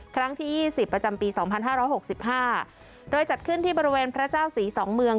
ครั้งที่ยี่สิบประจำปีสองพันห้าร้อยหกสิบห้าโดยจัดขึ้นที่บริเวณพระเจ้าสีสองเมือง